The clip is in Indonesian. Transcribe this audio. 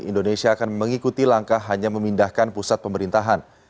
indonesia akan mengikuti langkah hanya memindahkan pusat pemerintahan